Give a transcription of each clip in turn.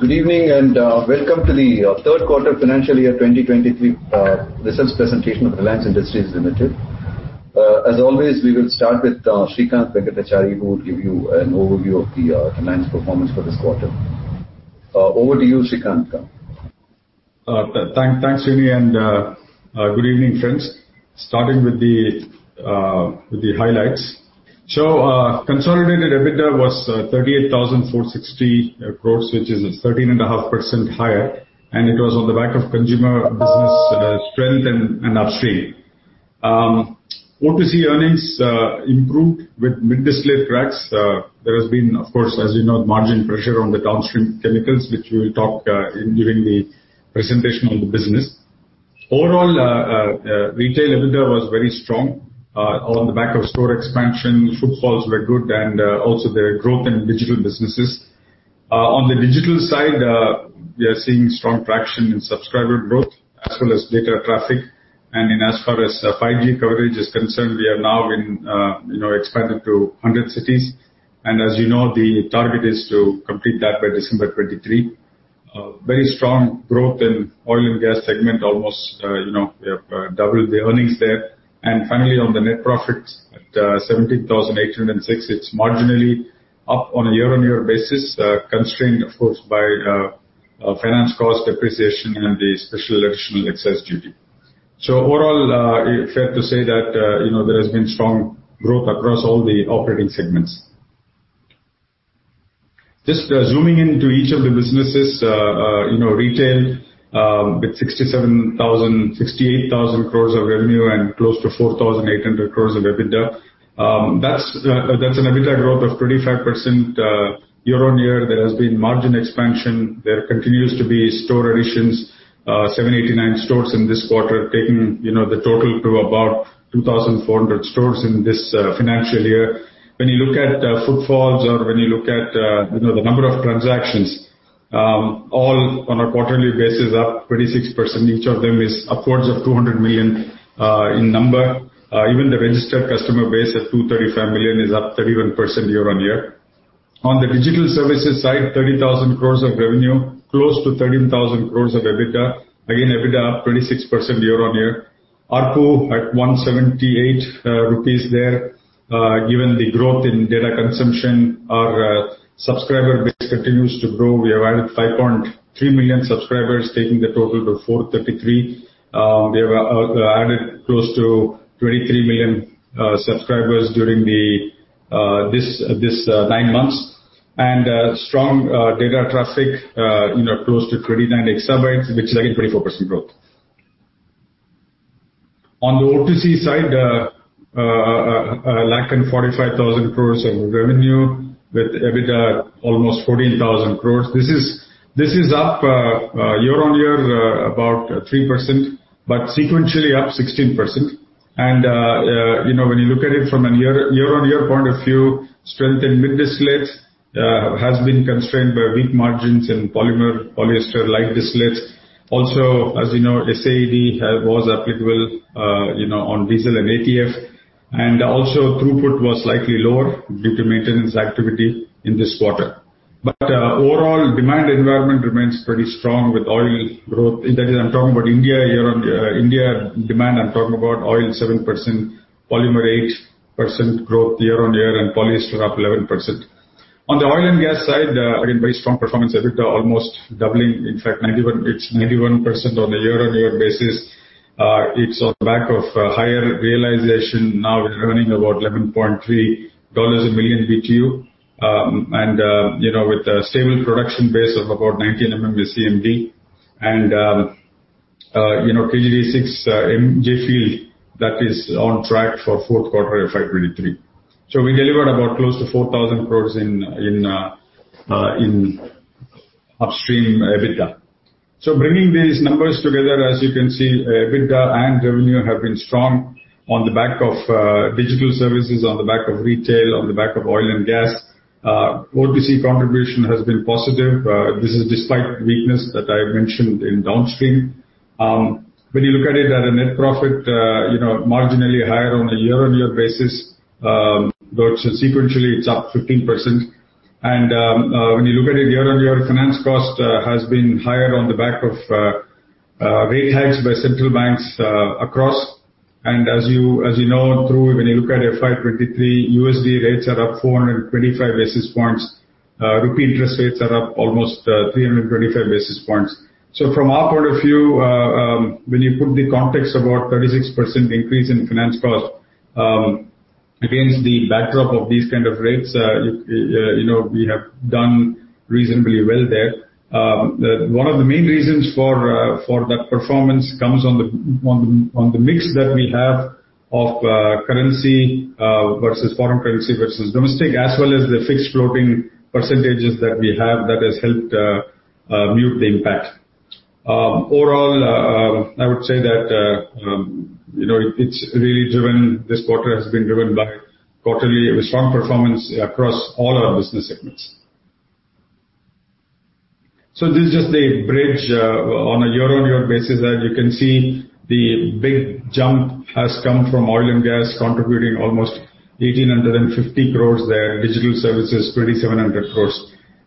Good evening and welcome to the Third Quarter Financial Year 2023 Results Presentation of Reliance Industries Limited. As always, we will start with Srikanth Venkatachari, who will give you an overview of the Reliance performance for this quarter. Over to you, Srikanth. Thanks, Srini, and good evening, friends. Starting with the highlights. Consolidated EBITDA was 38,460 crore, which is 13.5% higher, and it was on the back of consumer business strength and upstream. O2C earnings improved with mid-distillate cracks. There has been, of course, as you know, margin pressure on the downstream chemicals, which we will talk during the presentation on the business. Overall, retail EBITDA was very strong on the back of store expansion, footfalls were good, and also their growth in digital businesses. On the digital side, we are seeing strong traction in subscriber growth as well as data traffic. In as far as 5G coverage is concerned, we are now, you know, expanded to 100 cities. As you know, the target is to complete that by December 2023. Very strong growth in oil and gas segment almost, you know, we have doubled the earnings there. Finally, on the net profit at 17,806, it's marginally up on a year-on-year basis, constrained, of course, by finance cost appreciation and the Special Additional Excise Duty. Overall, fair to say that, you know, there has been strong growth across all the operating segments. Just zooming into each of the businesses, you know, retail, with 68,000 crores of revenue and close to 4,800 crores of EBITDA. That's an EBITDA growth of 25% year-on-year. There has been margin expansion. There continues to be store additions, 789 stores in this quarter, taking, you know, the total to about 2,400 stores in this financial year. When you look at footfalls or when you look at, you know, the number of transactions, all on a quarterly basis, up 26%, each of them is upwards of 200 million in number. Even the registered customer base at 235 million is up 31% year-on-year. On the digital services side, 30,000 crore of revenue, close to 13,000 crore of EBITDA. Again, EBITDA up 26% year-on-year. ARPU at 178 rupees there. Given the growth in data consumption, our subscriber base continues to grow. We have added 5.3 million subscribers, taking the total to 433. We have added close to 23 million subscribers during this 9 months. Strong data traffic, you know, close to 29 exabytes, which is again 24% growth. On the O2C side, 145,000 crores of revenue with EBITDA almost 14,000 crores. This is up year-on-year about 3%, but sequentially up 16%. You know, when you look at it from a year-on-year point of view, strength in mid-distillates has been constrained by weak margins in polymer, polyester light distillates. Also, as you know, SAED was applicable, you know, on diesel and ATF. Also throughput was slightly lower due to maintenance activity in this quarter. Overall demand environment remains pretty strong with oil growth. That is, I'm talking about India demand, I'm talking about oil 7%, polymer 8% growth year-on-year and polyester up 11%. On the oil and gas side, again, very strong performance. EBITDA almost doubling. In fact, it's 91% on a year-on-year basis. It's on back of higher realization. Now we're earning about $11.3 a million BTU. You know, with a stable production base of about 19 MMSCMD. You know, KG-D6, MJ field, that is on track for fourth quarter FY 2023. We delivered about close to 4,000 crores in upstream EBITDA. Bringing these numbers together, as you can see, EBITDA and revenue have been strong on the back of digital services, on the back of retail, on the back of oil and gas. O2C contribution has been positive. This is despite weakness that I have mentioned in downstream. When you look at it at a net profit, you know, marginally higher on a year-on-year basis, though sequentially it's up 15%. When you look at it year-on-year, finance cost has been higher on the back of rate hikes by central banks across. As you know, through when you look at FY 2023, USD rates are up 425 basis points. Rupee interest rates are up almost 325 basis points. From our point of view, when you put the context of about 36% increase in finance cost, against the backdrop of these kind of rates, you know, we have done reasonably well there. One of the main reasons for that performance comes on the mix that we have of currency versus foreign currency versus domestic, as well as the fixed floating percentages that we have that has helped mute the impact. Overall, I would say that, you know, this quarter has been driven by quarterly strong performance across all our business segments. This is just a bridge on a year-on-year basis that you can see the big jump has come from oil and gas, contributing almost 1,850 crore there. Digital services, 2,700 crores.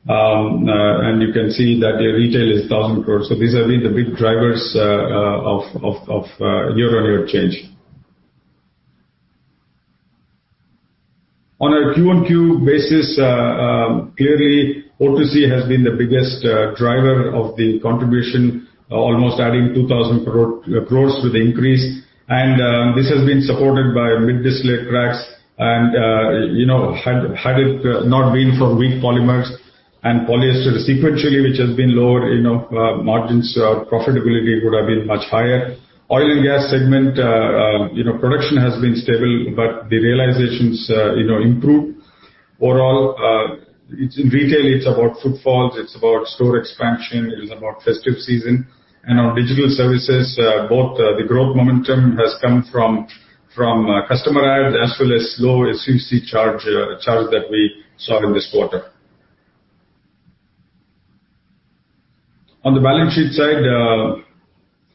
You can see that the retail is 1,000 crores. These have been the big drivers of year-on-year change. On a Q-on-Q basis, clearly, O2C has been the biggest driver of the contribution, almost adding 2,000 crores to the increase. This has been supported by mid-distillate cracks and, you know, had it not been for weak polymers and polyester sequentially, which has been lower, you know, margins, profitability would have been much higher. Oil and gas segment, you know, production has been stable, but the realizations, you know, improved. Overall, in retail, it's about footfalls, it's about store expansion, it is about festive season. Our digital services, both, the growth momentum has come from customer add as well as low SUC charge that we saw in this quarter. On the balance sheet side,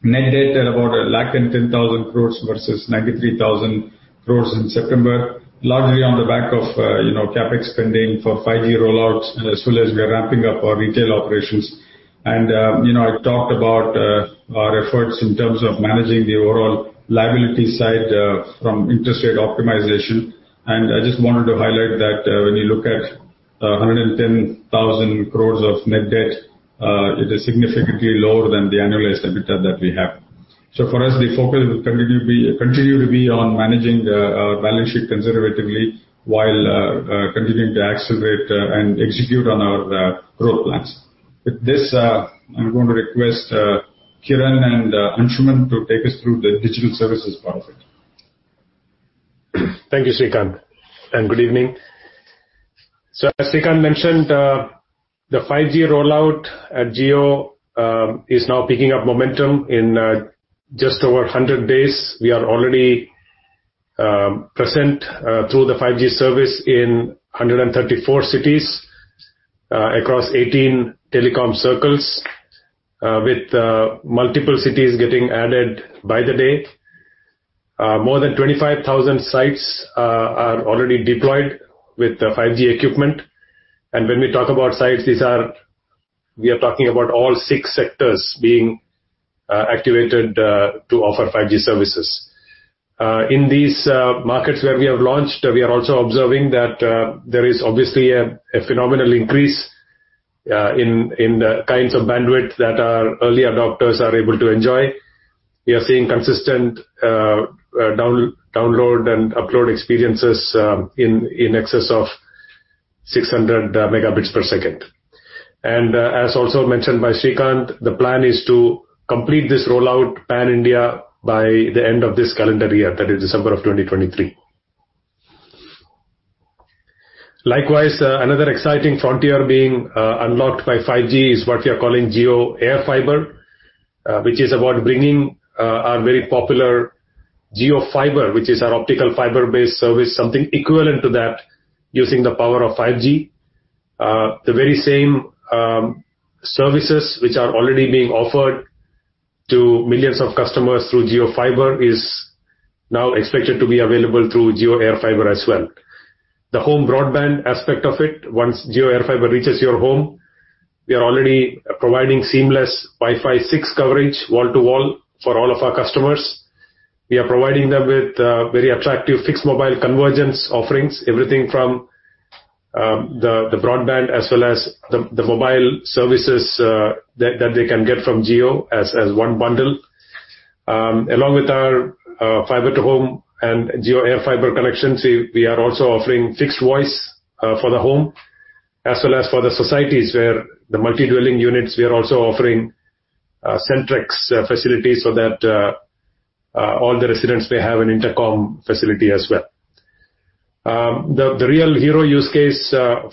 net debt at about 110,000 crore versus 93,000 crore in September. Largely on the back of, you know, CapEx spending for 5G rollouts, as well as we are ramping up our retail operations. You know, I talked about our efforts in terms of managing the overall liability side from interest rate optimization. I just wanted to highlight that, when you look at 110,000 crore of net debt, it is significantly lower than the annualized EBITDA that we have. For us, the focus will continue to be on managing the balance sheet conservatively, while continuing to accelerate and execute on our growth plans. With this, I'm going to request Kiran and Anshuman to take us through the digital services part of it. Thank you, Srikanth, and good evening. As Srikanth mentioned, the 5G rollout at Jio is now picking up momentum. In just over 100 days, we are already present through the 5G service in 134 cities across 18 telecom circles with multiple cities getting added by the day. More than 25,000 sites are already deployed with the 5G equipment. When we talk about sites, we are talking about all 6 sectors being activated to offer 5G services. In these markets where we have launched, we are also observing that there is obviously a phenomenal increase in the kinds of bandwidth that our early adopters are able to enjoy. We are seeing consistent download and upload experiences in excess of 600 megabits per second. As also mentioned by Srikanth, the plan is to complete this rollout pan-India by the end of this calendar year, that is December of 2023. Likewise, another exciting frontier being unlocked by 5G is what we are calling JioAirFiber, which is about bringing our very popular JioFiber, which is our optical fiber-based service, something equivalent to that using the power of 5G. The very same services which are already being offered to millions of customers through JioFiber is now expected to be available through JioAirFiber as well. The home broadband aspect of it, once JioAirFiber reaches your home, we are already providing seamless Wi-Fi 6 coverage wall-to-wall for all of our customers. We are providing them with very attractive fixed mobile convergence offerings, everything from the broadband as well as the mobile services that they can get from Jio as one bundle. Along with our fiber to home and JioAirFiber connections, we are also offering fixed voice for the home as well as for the societies where the multi-dwelling units, we are also offering Centrex facilities so that all the residents may have an intercom facility as well. The real hero use case of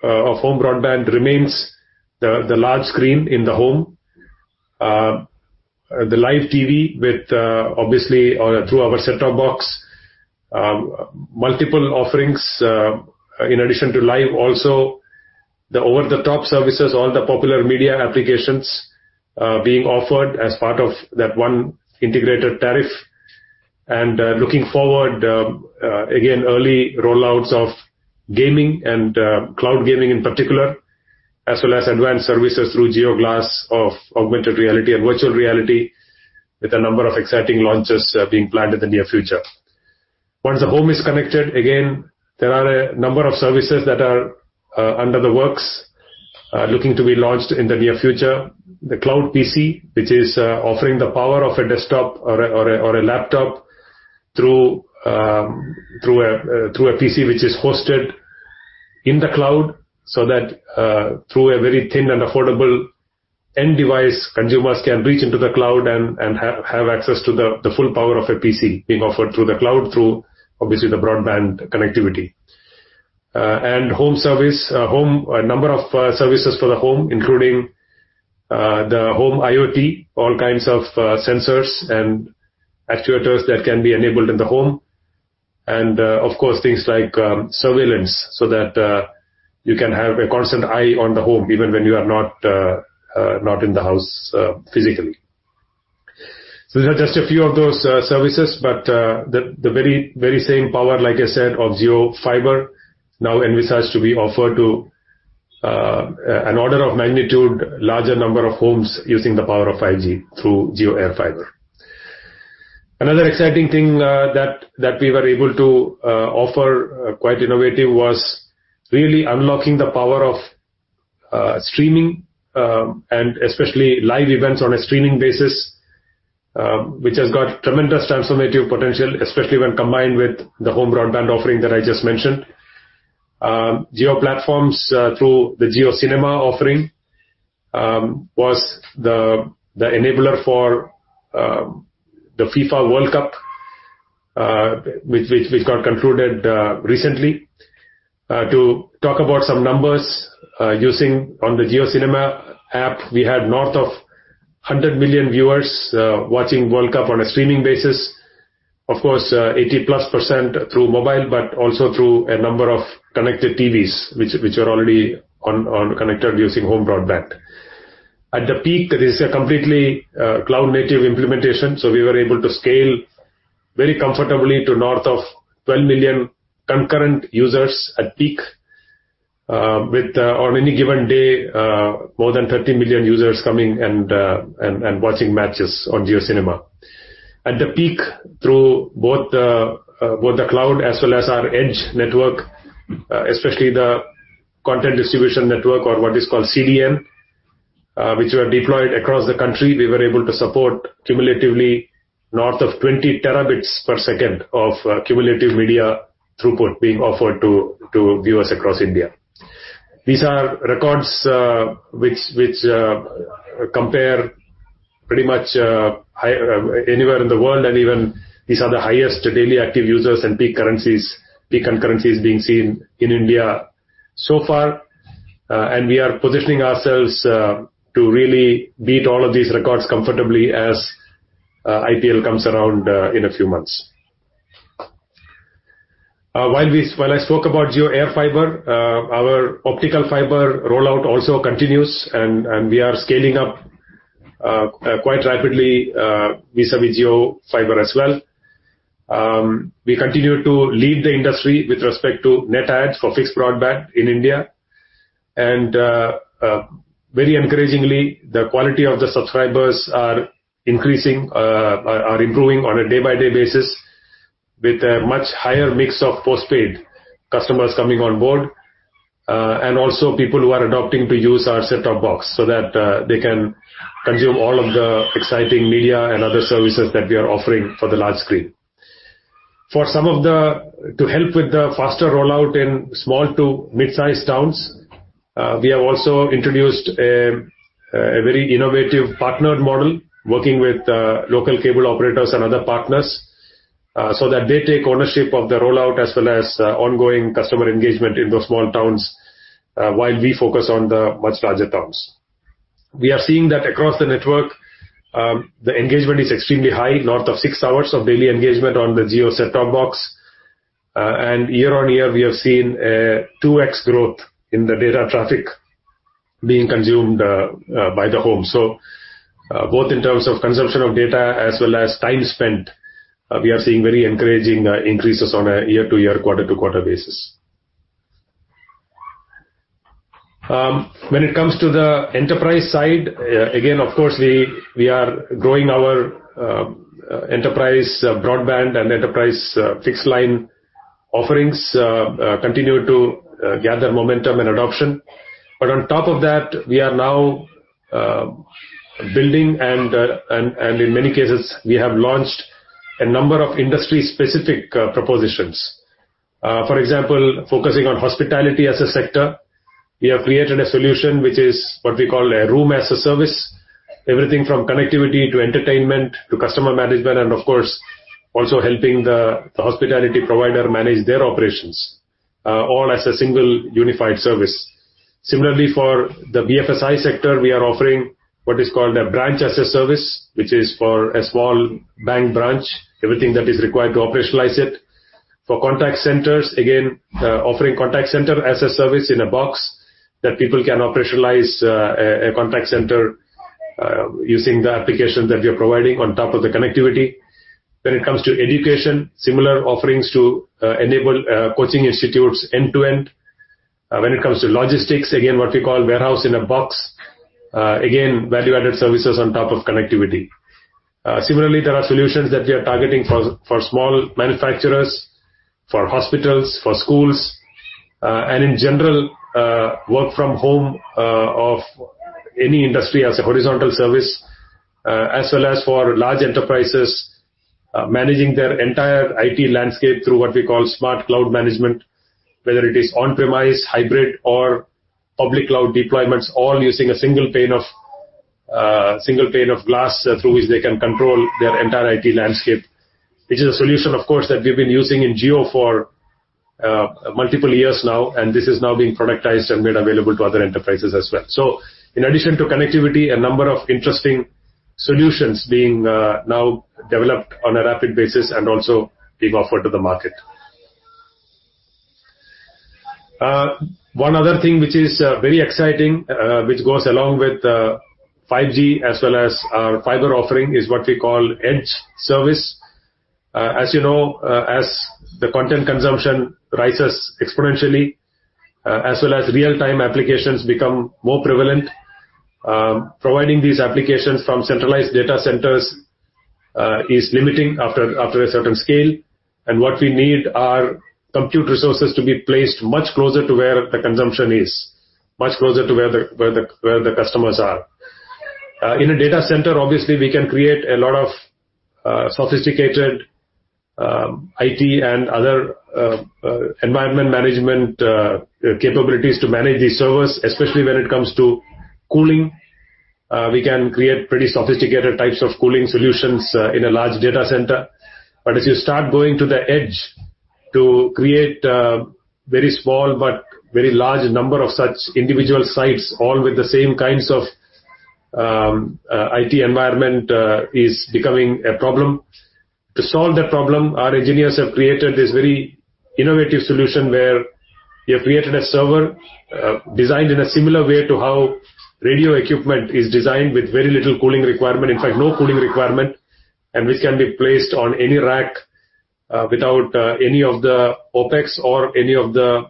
home broadband remains the large screen in the home. The live TV with obviously through our set-top box. Multiple offerings, in addition to live, also the over-the-top services, all the popular media applications, being offered as part of that one integrated tariff. Looking forward, again, early rollouts of gaming and cloud gaming in particular, as well as advanced services through JioGlass of augmented reality and virtual reality with a number of exciting launches, being planned in the near future. Once the home is connected, again, there are a number of services that are under the works, looking to be launched in the near future. The cloud PC, which is offering the power of a desktop or a laptop through a PC which is hosted in the cloud, so that through a very thin and affordable end device, consumers can reach into the cloud and have access to the full power of a PC being offered through the cloud, through obviously the broadband connectivity. A number of services for the home, including the home IoT, all kinds of sensors and actuators that can be enabled in the home. Of course, things like surveillance, so that you can have a constant eye on the home even when you are not in the house physically. These are just a few of those services, but the very, very same power, like I said, of Jio Fiber now envisages to be offered to an order of magnitude, larger number of homes using the power of 5G through Jio Air Fiber. Another exciting thing that we were able to offer quite innovative, was really unlocking the power of streaming, and especially live events on a streaming basis, which has got tremendous transformative potential, especially when combined with the home broadband offering that I just mentioned. Jio Platforms through the JioCinema offering was the enabler for the FIFA World Cup which got concluded recently. To talk about some numbers using... On the JioCinema app, we had north of 100 million viewers watching World Cup on a streaming basis. Of course, 80%+ through mobile, but also through a number of connected TVs which are already connected using home broadband. At the peak, this is a completely cloud-native implementation. We were able to scale very comfortably to north of 12 million concurrent users at peak. With on any given day, more than 30 million users coming and watching matches on JioCinema. At the peak, through both the cloud as well as our edge network, especially the content distribution network or what is called CDN, which were deployed across the country, we were able to support cumulatively north of 20 terabits per second of cumulative media throughput being offered to viewers across India. These are records which compare pretty much anywhere in the world. Even these are the highest daily active users and peak concurrencies being seen in India so far. We are positioning ourselves to really beat all of these records comfortably as IPL comes around in a few months. While I spoke about JioAirFiber, our optical fiber rollout also continues and we are scaling up quite rapidly vis-à-vis JioFiber as well. We continue to lead the industry with respect to net adds for fixed broadband in India. Very encouragingly, the quality of the subscribers are increasing, are improving on a day-by-day basis with a much higher mix of postpaid customers coming on board, and also people who are adopting to use our set-top box so that they can consume all of the exciting media and other services that we are offering for the large screen. To help with the faster rollout in small to mid-size towns, we have also introduced a very innovative partnered model working with local cable operators and other partners, so that they take ownership of the rollout as well as ongoing customer engagement in those small towns, while we focus on the much larger towns. We are seeing that across the network, the engagement is extremely high, north of six hours of daily engagement on the Jio set-top box. Year-on-year, we have seen a 2x growth in the data traffic being consumed by the home. Both in terms of consumption of data as well as time spent, we are seeing very encouraging increases on a year-to-year, quarter-to-quarter basis. When it comes to the enterprise side, again, of course, we are growing our enterprise broadband and enterprise fixed line offerings continue to gather momentum and adoption. On top of that, we are now building and in many cases, we have launched a number of industry specific propositions. For example, focusing on hospitality as a sector, we have created a solution which is what we call a Room as a Service. Everything from connectivity to entertainment to customer management, and of course, also helping the hospitality provider manage their operations, all as a single unified service. For the BFSI sector, we are offering what is called a Branch as a Service, which is for a small bank branch, everything that is required to operationalize it. For contact centers, again, offering Contact Center as a Service in a box that people can operationalize a contact center, using the application that we are providing on top of the connectivity. When it comes to education, similar offerings to enable coaching institutes end to end. When it comes to logistics, again, what we call Warehouse in a Box, again, value-added services on top of connectivity. Similarly, there are solutions that we are targeting for small manufacturers, for hospitals, for schools, and in general, work from home of any industry as a horizontal service, as well as for large enterprises, managing their entire IT landscape through what we call Smart Cloud Management, whether it is on-premise, hybrid or public cloud deployments, all using a single pane of glass through which they can control their entire IT landscape. This is a solution, of course, that we've been using in Jio for multiple years now, and this is now being productized and made available to other enterprises as well. In addition to connectivity, a number of interesting solutions being now developed on a rapid basis and also being offered to the market. One other thing which is very exciting, which goes along with 5G as well as our fiber offering, is what we call edge service. As you know, as the content consumption rises exponentially, as well as real-time applications become more prevalent, providing these applications from centralized data centers is limiting after a certain scale. What we need are compute resources to be placed much closer to where the consumption is. Much closer to where the customers are. In a data center, obviously, we can create a lot of sophisticated IT and other environment management capabilities to manage these servers, especially when it comes to cooling. We can create pretty sophisticated types of cooling solutions in a large data center. As you start going to the edge to create very small but very large number of such individual sites, all with the same kinds of IT environment, is becoming a problem. To solve that problem, our engineers have created this very innovative solution where we have created a server, designed in a similar way to how radio equipment is designed with very little cooling requirement, in fact no cooling requirement, and which can be placed on any rack without any of the OpEx or any of the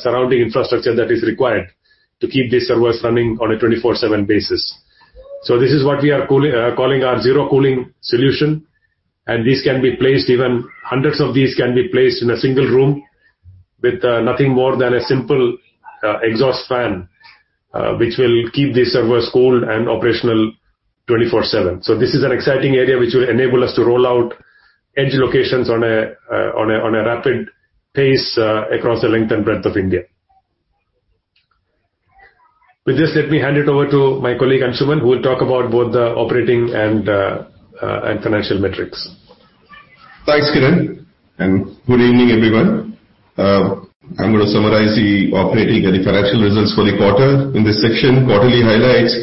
surrounding infrastructure that is required to keep these servers running on a 24/7 basis. This is what we are calling our zero cooling solution. This can be placed, even hundreds of these can be placed in a single room with nothing more than a simple exhaust fan, which will keep these servers cold and operational 24/7. This is an exciting area which will enable us to roll out edge locations on a rapid pace across the length and breadth of India. With this, let me hand it over to my colleague, Anshuman, who will talk about both the operating and financial metrics. Thanks, Kiran, and good evening, everyone. I'm gonna summarize the operating and the financial results for the quarter. In this section, quarterly highlights.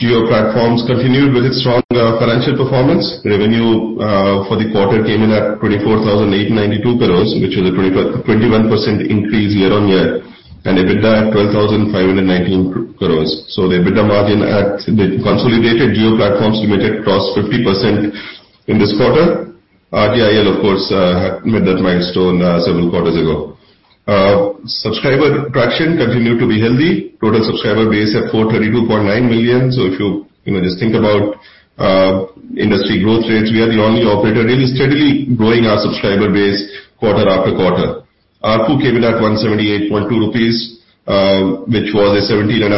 Jio Platforms continued with its strong financial performance. Revenue for the quarter came in at 24,892 crores, which is a 21% increase year-on-year. EBITDA at 12,519 crores. The EBITDA margin at the consolidated Jio Platforms Limited crossed 50% in this quarter. RJIL, of course, met that milestone several quarters ago. Subscriber traction continued to be healthy. Total subscriber base at 432.9 million. If you know, just think about industry growth rates, we are the only operator really steadily growing our subscriber base quarter after quarter. ARPU came in at 178.2 rupees, which was a 17.5%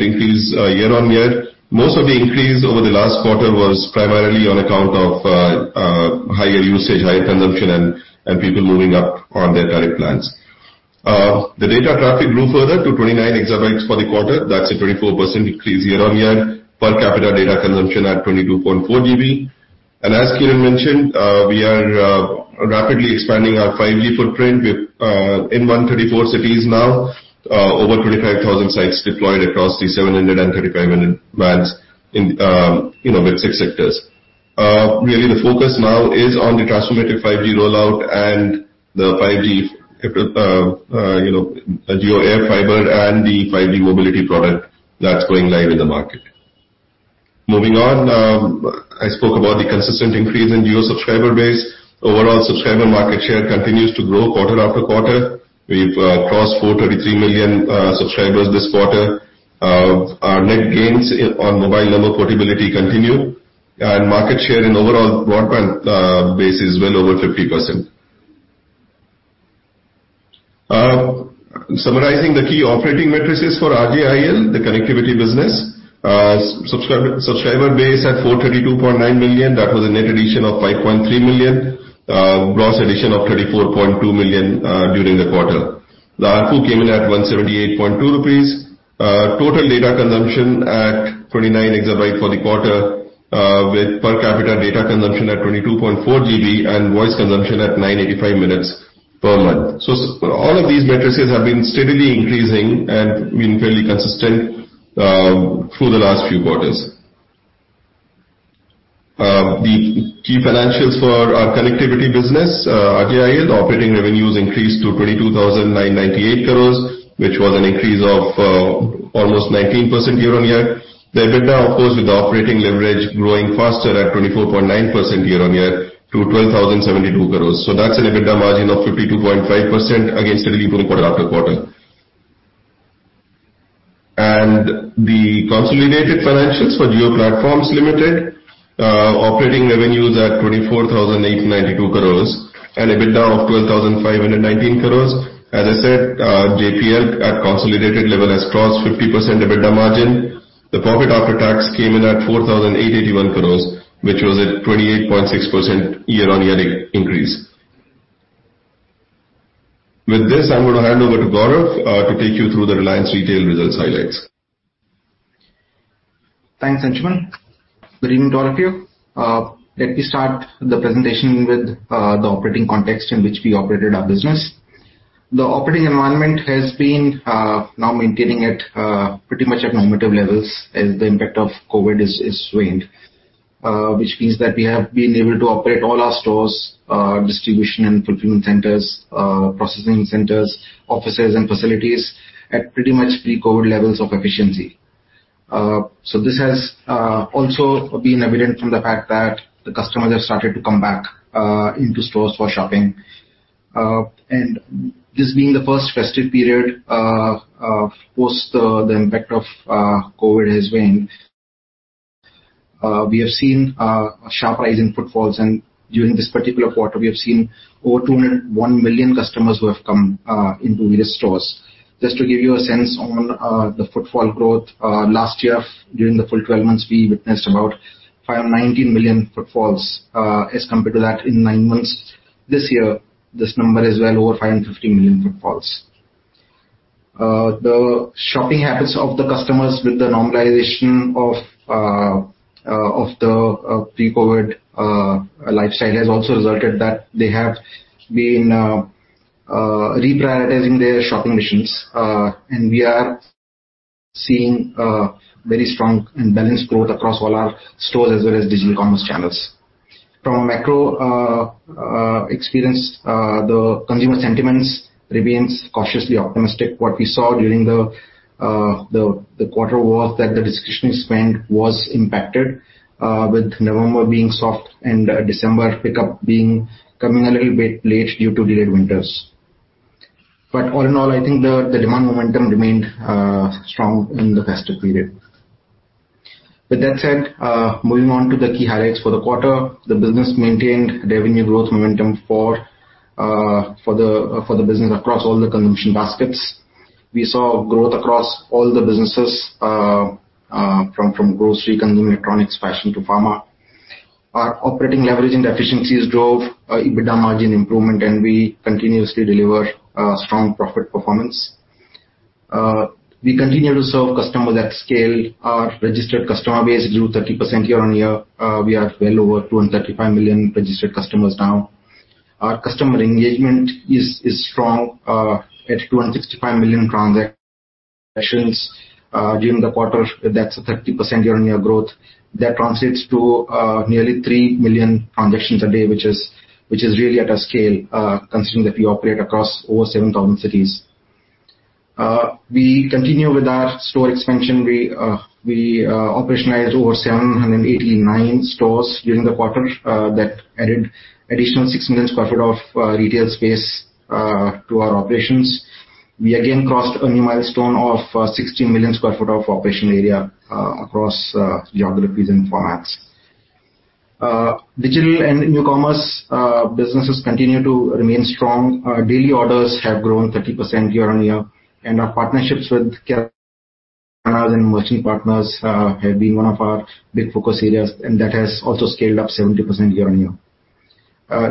increase year-on-year. Most of the increase over the last quarter was primarily on account of higher usage, higher consumption and people moving up on their tariff plans. The data traffic grew further to 29 exabytes for the quarter. That's a 24% increase year-on-year. Per capita data consumption at 22.4 GB. As Kiran mentioned, we are rapidly expanding our 5G footprint. We're in 134 cities now. Over 25,000 sites deployed across the 735 million bands in, you know, with six sectors. Really the focus now is on the transformative 5G rollout and the 5G, you know, JioAirFiber and the 5G mobility product that's going live in the market. Moving on, I spoke about the consistent increase in Jio subscriber base. Overall subscriber market share continues to grow quarter after quarter. We've crossed 433 million subscribers this quarter. Our net gains on mobile number portability continue. Market share in overall broadband base is well over 50%. Summarizing the key operating metrics for RJIL, the connectivity business. Subscriber base at 432.9 million. That was a net addition of 5.3 million. Gross addition of 34.2 million during the quarter. The ARPU came in at 178.2 rupees. Total data consumption at 29 exabytes for the quarter, with per capita data consumption at 22.4 GB and voice consumption at 985 minutes per month. All of these metrics have been steadily increasing and been fairly consistent through the last few quarters. The key financials for our connectivity business, RJIL. Operating revenues increased to 22,998 crores, which was an increase of almost 19% year-on-year. The EBITDA, of course, with the operating leverage growing faster at 24.9% year-on-year to 12,072 crores. That's an EBITDA margin of 52.5% against steady growth quarter after quarter. The consolidated financials for Jio Platforms Limited. Operating revenues at INR 24,892 crores and EBITDA of INR 12,519 crores. As I said, JPL at consolidated level has crossed 50% EBITDA margin. The profit after tax came in at 4,881 crores, which was a 28.6% year-on-year increase. With this, I'm gonna hand over to Gaurav to take you through the Reliance Retail results highlights. Thanks, Anshuman. Good evening to all of you. Let me start the presentation with the operating context in which we operated our business. The operating environment has been now maintaining at pretty much at normative levels as the impact of COVID has waned. Which means that we have been able to operate all our stores, distribution and fulfillment centers, processing centers, offices and facilities at pretty much pre-COVID levels of efficiency. This has also been evident from the fact that the customers have started to come back into stores for shopping. This being the first festive period post the impact of COVID has waned. We have seen a sharp rise in footfalls. During this particular quarter, we have seen over 201 million customers who have come into various stores. Just to give you a sense on the footfall growth, last year during the full 12 months, we witnessed about 590 million footfalls. As compared to that in 9 months this year, this number is well over 550 million footfalls. The shopping habits of the customers with the normalization of the pre-COVID lifestyle has also resulted that they have been reprioritizing their shopping missions. We are seeing very strong and balanced growth across all our stores as well as digital commerce channels. A macro experience, the consumer sentiments remains cautiously optimistic. What we saw during the quarter was that the discretionary spend was impacted with November being soft and December pickup being coming a little bit late due to delayed winters. All in all, I think the demand momentum remained strong in the festive period. With that said, moving on to the key highlights for the quarter. The business maintained revenue growth momentum for the business across all the consumption baskets. We saw growth across all the businesses from grocery, consumer electronics, fashion to pharma. Our operating leverage and efficiencies drove a EBITDA margin improvement, and we continuously deliver a strong profit performance. We continue to serve customers at scale. Our registered customer base grew 30% year-on-year. We are well over 235 million registered customers now. Our customer engagement is strong at 265 million transactions during the quarter. That's a 30% year-on-year growth. That translates to nearly 3 million transactions a day, which is really at a scale, considering that we operate across over 7,000 cities. We continue with our store expansion. We operationalized over 789 stores during the quarter. That added additional 6 million sq ft of retail space to our operations. We again crossed a new milestone of 60 million sq ft of operational area across geographies and formats. Digital and New Commerce businesses continue to remain strong. Our daily orders have grown 30% year-on-year, and our partnerships with carriers and merchant partners have been one of our big focus areas, and that has also scaled up 70% year-on-year.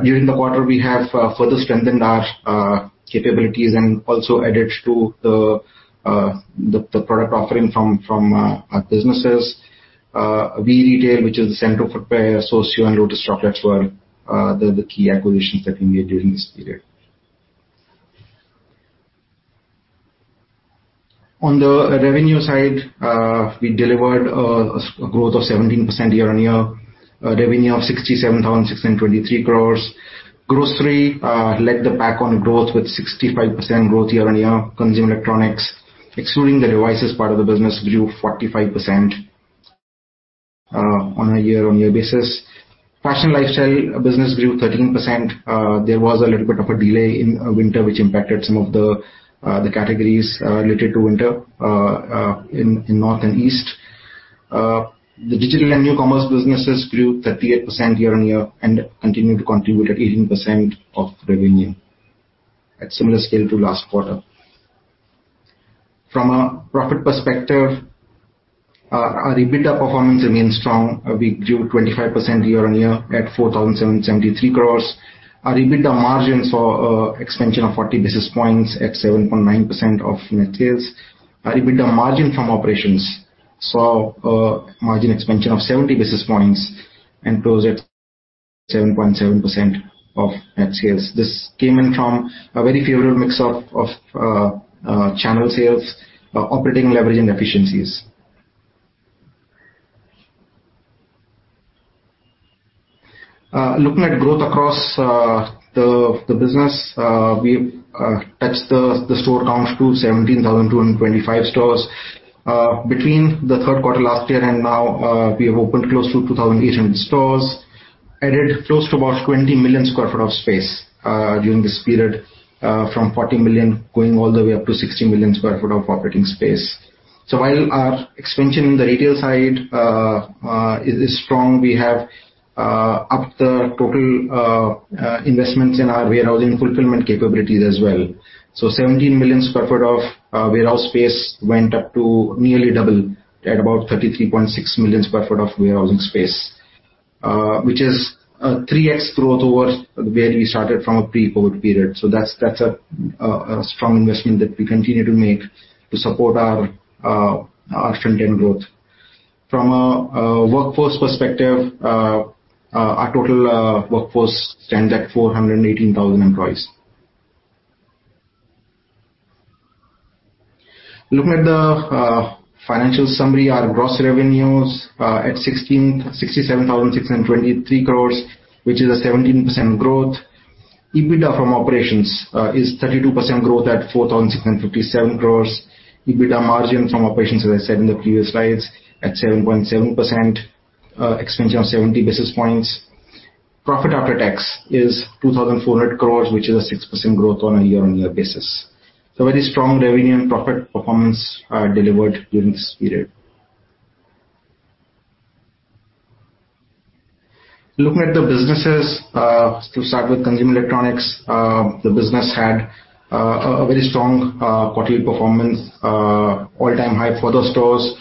During the quarter, we have further strengthened our capabilities and also added to the product offering from our businesses. V-Retail, which is the Centro Footwear, Sosyo and Lotus Chocolate were the key acquisitions that we made during this period. On the revenue side, we delivered a growth of 17% year-on-year, a revenue of 67,623 crores. Grocery led the pack on growth with 65% growth year-on-year. Consumer electronics, excluding the devices part of the business, grew 45% on a year-on-year basis. Fashion and lifestyle business grew 13%. There was a little bit of a delay in winter, which impacted some of the categories related to winter in North and East. The digital and New Commerce businesses grew 38% year-on-year and continue to contribute at 18% of revenue, at similar scale to last quarter. From a profit perspective, our EBITDA performance remains strong. We grew 25% year-on-year at 4,773 crores. Our EBITDA margin saw a expansion of 40 basis points at 7.9% of net sales. Our EBITDA margin from operations saw a margin expansion of 70 basis points and closed at 7.7% of net sales. This came in from a very favorable mix of channel sales, operating leverage and efficiencies. Looking at growth across the business, we've touched the store count to 17,225 stores. Between the third quarter last year and now, we have opened close to 2,800 stores, added close to about 20 million sq ft of space during this period, from 40 million, going all the way up to 60 million sq ft of operating space. While our expansion in the retail side is strong. We have upped the total investments in our warehousing fulfillment capabilities as well. 17 million sq ft of warehouse space went up to nearly double at about 33.6 million sq ft of warehousing space, which is a 3x growth over where we started from a pre-COVID period. That's a strong investment that we continue to make to support our front-end growth. From a workforce perspective, our total workforce stands at 418,000 employees. Looking at the financial summary. Our gross revenues are at 67,623 crores, which is a 17% growth. EBITDA from operations is 32% growth at 4,657 crores. EBITDA margin from operations, as I said in the previous slides, at 7.7% expansion of 70 basis points. Profit after tax is 2,400 crores, which is a 6% growth on a year-on-year basis. A very strong revenue and profit performance are delivered during this period. Looking at the businesses. To start with consumer electronics, the business had a very strong quarterly performance, all-time high for the stores.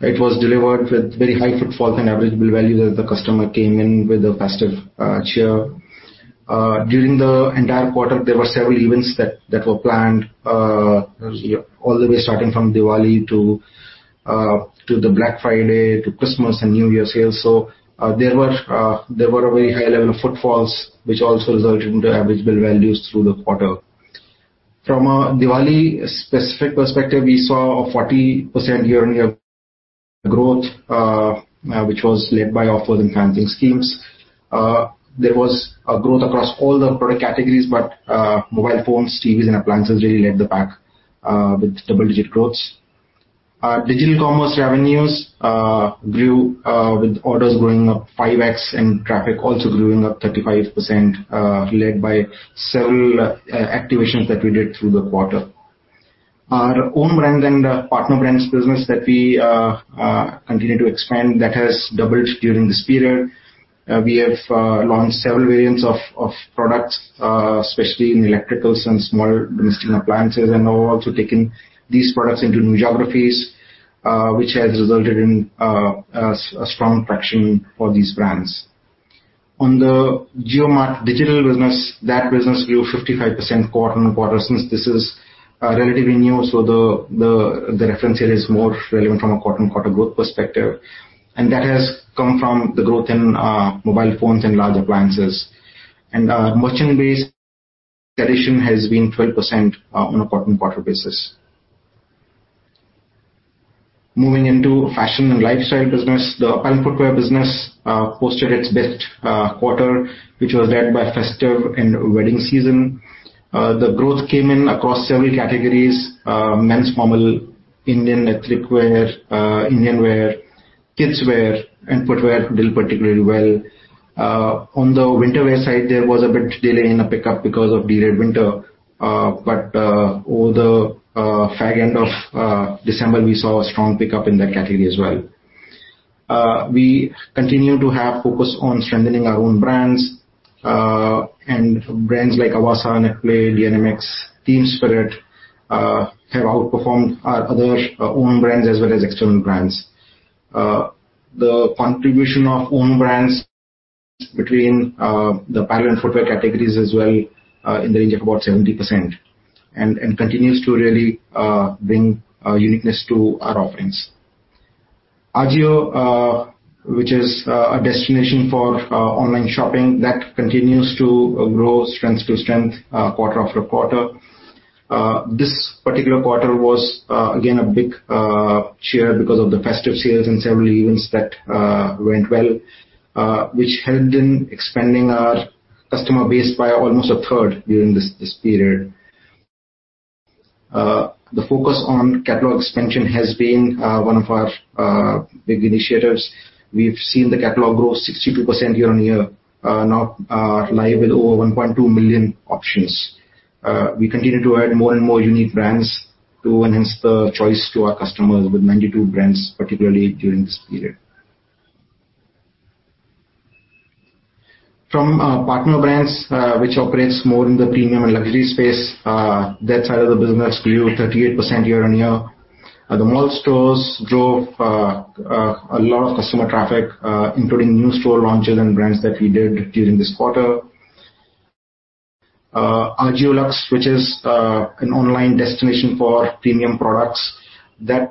It was delivered with very high footfall and average bill value as the customer came in with the festive cheer. During the entire quarter, there were several events that were planned all the way starting from Diwali to the Black Friday to Christmas and New Year's sales. There were a very high level of footfalls which also resulted into average bill values through the quarter. From a Diwali specific perspective, we saw a 40% year-on-year growth, which was led by offers and financing schemes. There was a growth across all the product categories, but mobile phones, TVs and appliances really led the pack with double-digit growths. Digital commerce revenues grew with orders growing up 5x and traffic also growing up 35%, led by several activations that we did through the quarter. Our own brand and partner brands business that we continue to expand, that has doubled during this period. We have launched several variants of products, especially in electricals and small domestic appliances, and now also taking these products into new geographies, which has resulted in a strong traction for these brands. On the JioMart digital business, that business grew 55% quarter-on-quarter. Since this is relatively new, so the reference here is more relevant from a quarter-on-quarter growth perspective, and that has come from the growth in mobile phones and large appliances. Our merchant base addition has been 12% on a quarter-on-quarter basis. Moving into fashion and lifestyle business. The apparel footwear business posted its best quarter, which was led by festive and wedding season. The growth came in across several categories, men's formal, Indian ethnic wear, Indian wear, kids wear, and footwear did particularly well. On the winter wear side, there was a bit delay in the pickup because of delayed winter. Over the fag end of December, we saw a strong pickup in that category as well. We continue to have focus on strengthening our own brands, and brands like Avaasa, Netplay, DNMX, Teamspirit have outperformed our other own brands as well as external brands. The contribution of own brands between the apparel and footwear categories as well, in the range of about 70% and continues to really bring uniqueness to our offerings. Ajio, which is a destination for online shopping, that continues to grow strength to strength, quarter after quarter. This particular quarter was again a big cheer because of the festive sales and several events that went well, which helped in expanding our customer base by almost a third during this period. The focus on catalog expansion has been one of our big initiatives. We've seen the catalog grow 62% year-on-year, now live with over 1.2 million options. We continue to add more and more unique brands to enhance the choice to our customers with 92 brands, particularly during this period. From our partner brands, which operates more in the premium and luxury space, that side of the business grew 38% year-over-year. The mall stores drove a lot of customer traffic, including new store launches and brands that we did during this quarter. AJIO LUXE, which is an online destination for premium products, that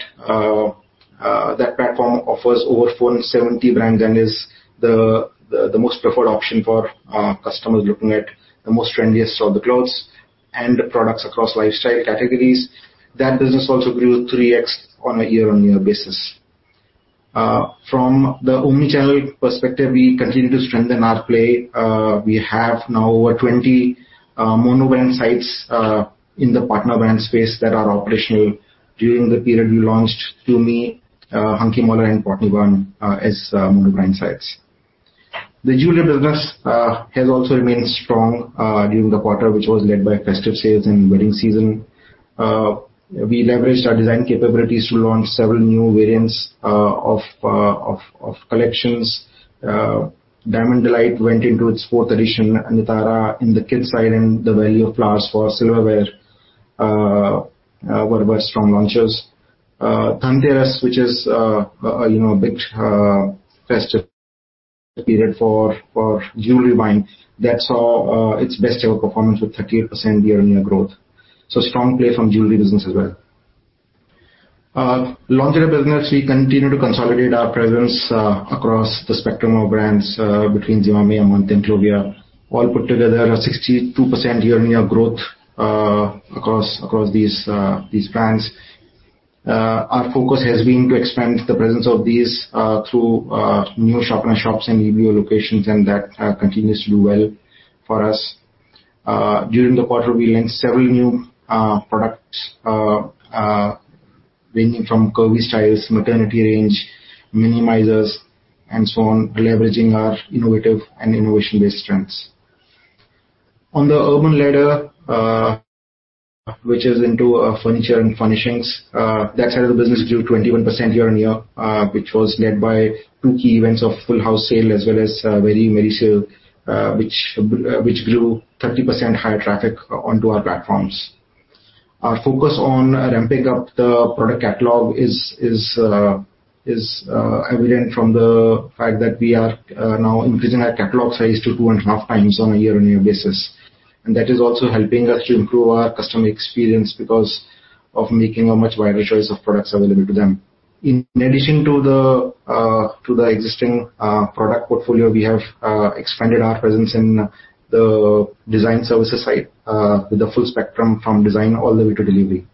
platform offers over 470 brands and is the most preferred option for customers looking at the most trendiest of the clothes and products across lifestyle categories. That business also grew 3x on a year-over-year basis. From the omni-channel perspective, we continue to strengthen our play. We have now over 20 mono brand sites in the partner brand space that are operational. During the period, we launched TUMI, Hanky Panky and Portnova as mono brand sites. The jewelry business has also remained strong during the quarter, which was led by festive sales and wedding season. We leveraged our design capabilities to launch several new variants of collections. Diamond Delight went into its fourth edition, Anantara in the kids' side, and the Valley of Flowers for silverware were very strong launches. Dhanteras, which is, you know, a big festive period for jewelry buying, that saw its best ever performance with 38% year-on-year growth. Strong play from jewelry business as well. Lingerie business, we continue to consolidate our presence across the spectrum of brands between Zivame, Moon and Clovia. All put together a 62% year-on-year growth across these brands. Our focus has been to expand the presence of these through new shop-in-shops and EBO locations, that continues to do well for us. During the quarter, we launched several new products ranging from curvy styles, maternity range, minimizers, and so on, leveraging our innovative and innovation-based strengths. On the Urban Ladder, which is into furniture and furnishings, that side of the business grew 21% year-on-year, which was led by two key events of Full House Sale as well as Very Merry Sale, which grew 30% higher traffic onto our platforms. Our focus on ramping up the product catalog is evident from the fact that we are now increasing our catalog size to 2.5x on a year-on-year basis. That is also helping us to improve our customer experience because of making a much wider choice of products available to them. In addition to the existing product portfolio, we have expanded our presence in the design services side with the full spectrum from design all the way to delivery.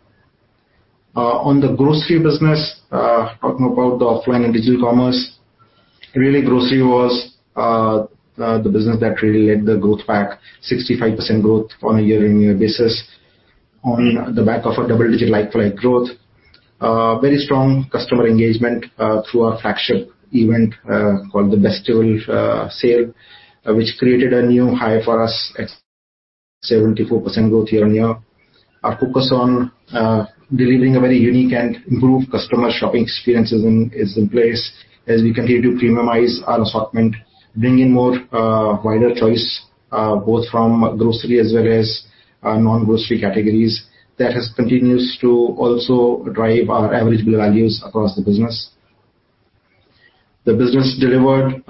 On the grocery business, talking about the offline and digital commerce, really grocery was the business that really led the growth back, 65% growth on a year-on-year basis on the back of a double-digit like-for-like growth. Very strong customer engagement through our flagship event called the Bestival Sale, which created a new high for us at 74% growth year-on-year. Our focus on delivering a very unique and improved customer shopping experience is in place as we continue to premiumize our assortment, bring in more wider choice both from grocery as well as non-grocery categories. That has continues to also drive our average bill values across the business. The business delivered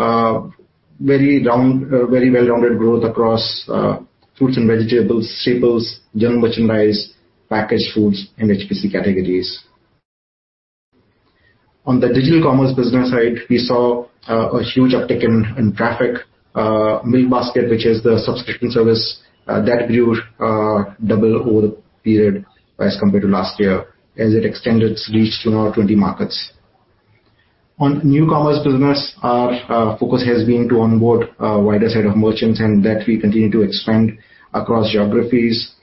very well-rounded growth across fruits and vegetables, staples, general merchandise, packaged foods, and HPC categories. On the digital commerce business side, we saw a huge uptick in traffic. Milkbasket, which is the subscription service, that grew double over the period as compared to last year as it extended its reach to now 20 markets. On New Commerce business, our focus has been to onboard a wider set of merchants, and that we continue to expand across geographies.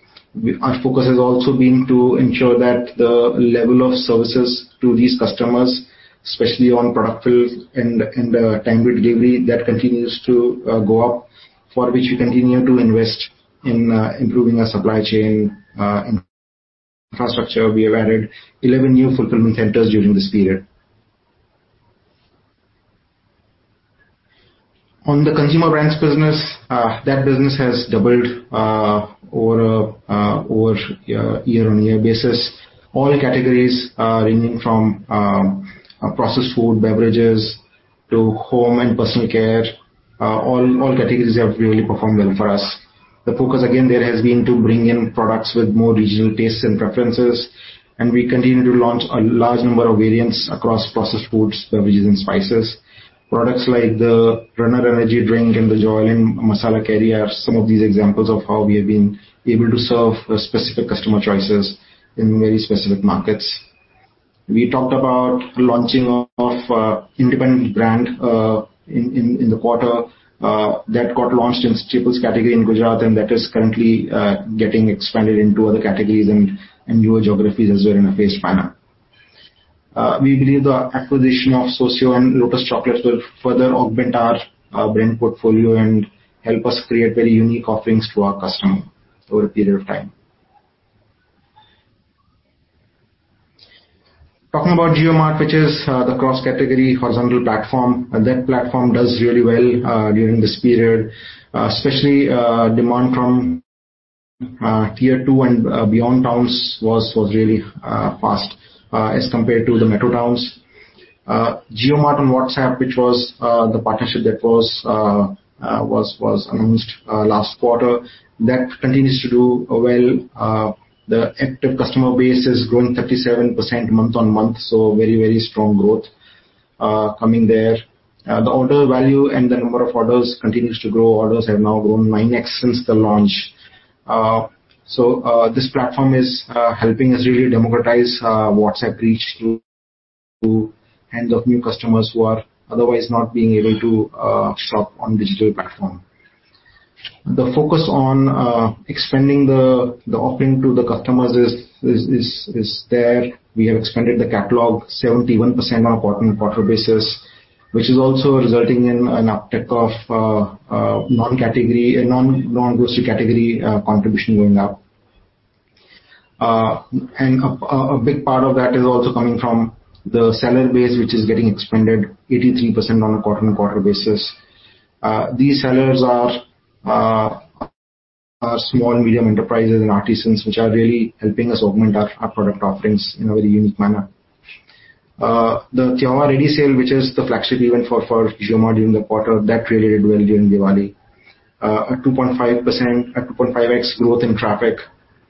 Our focus has also been to ensure that the level of services to these customers, especially on product fill and timely delivery, that continues to go up, for which we continue to invest in improving our supply chain infrastructure. We have added 11 new fulfillment centers during this period. On the Consumer Brands business, that business has doubled over a year-on-year basis. All categories, ranging from processed food, beverages, to home and personal care, all categories have really performed well for us. The focus again there has been to bring in products with more regional tastes and preferences, and we continue to launch a large number of variants across processed foods, beverages and spices. Products like the Runner Energy Drink and the Joyland Masala Kairi are some of these examples of how we have been able to serve specific customer choices in very specific markets. We talked about launching of a independent brand in the quarter that got launched in staples category in Gujarat, and that is currently getting expanded into other categories and newer geographies as we're in a phased manner. We believe the acquisition of Sosyo and Lotus Chocolate will further augment our brand portfolio and help us create very unique offerings to our customer over a period of time. Talking about JioMart, which is the cross-category horizontal platform, that platform does really well during this period, especially demand from tier 2 and beyond towns was really fast as compared to the metro towns. JioMart on WhatsApp, which was the partnership that was announced last quarter, that continues to do well. The active customer base has grown 37% month-on-month, so very, very strong growth coming there. The order value and the number of orders continues to grow. Orders have now grown 9x since the launch. This platform is helping us really democratize WhatsApp reach to hands of new customers who are otherwise not being able to shop on digital platform. The focus on expanding the offering to the customers is there. We have expanded the catalog 71% on a quarter-on-quarter basis, which is also resulting in an uptick of non-grocery category contribution going up. And a big part of that is also coming from the seller base, which is getting expanded 83% on a quarter-on-quarter basis. These sellers are small and medium enterprises and artisans which are really helping us augment our product offerings in a very unique manner. The Tyohaar Ready Sale, which is the flagship event for JioMart during the quarter that really did well during Diwali. A 2.5x growth in traffic,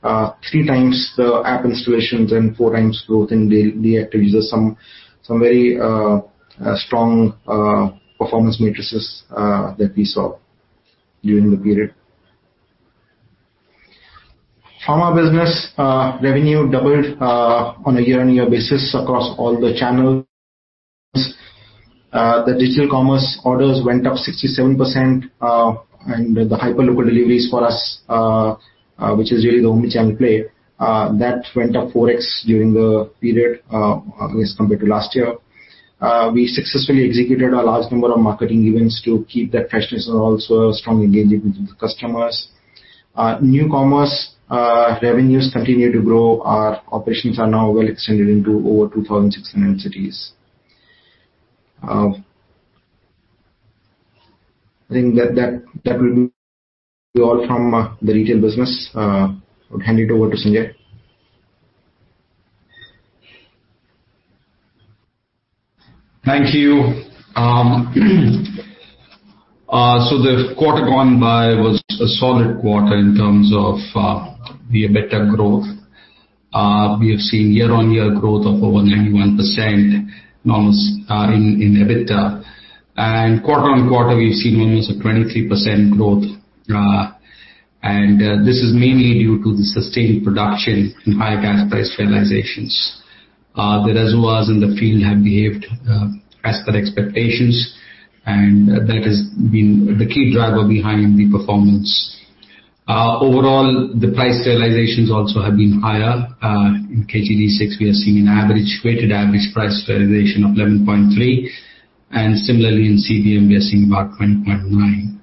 3x the app installations and 4x growth in daily active users. Some very strong performance matrices that we saw during the period. Pharma business revenue doubled on a year-on-year basis across all the channels. The digital commerce orders went up 67%. The hyperlocal deliveries for us, which is really the only channel play, that went up 4x during the period as compared to last year. We successfully executed a large number of marketing events to keep that freshness and also a strong engagement with the customers. New Commerce revenues continue to grow. Our operations are now well extended into over 2,600 cities. I think that will be all from the retail business. I'll hand it over to Sanjay. Thank you. The quarter gone by was a solid quarter in terms of the EBITDA growth. We have seen year-on-year growth of over 91% in EBITDA. Quarter-on-quarter, we've seen almost a 23% growth. This is mainly due to the sustained production in high gas price realizations. The reservoirs in the field have behaved as per expectations, and that has been the key driver behind the performance. Overall, the price realizations also have been higher. In KG-D6 we are seeing a weighted average price realization of $11.3, and similarly in CBM, we are seeing about $20.9.